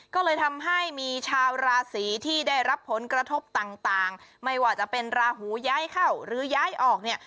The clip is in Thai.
ก็เลยทำให้มีชาวราศีที่ได้รับผลกระทบต่างไม่ว่าจะเป็นราหูย้ายเข้าหรือย้ายออกเนี่ย